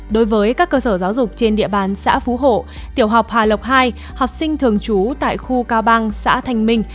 đối với các cơ sở giáo dục trên địa bàn xã phú thọ tiểu học hà lộc hai học sinh thường trú tại khu cao bằng xã thành minh